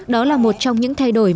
đó là một trong những thay đổi